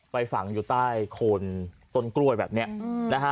ฝังอยู่ใต้โคนต้นกล้วยแบบนี้นะฮะ